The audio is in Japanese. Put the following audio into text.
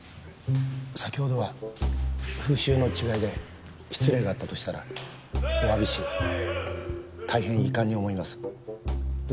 先ほどは風習の違いで失礼があったとしたらお詫びし大変遺憾に思います。